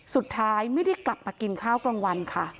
สุดท้ายไม่ได้กลับมากินข้าวกลางวันค่ะ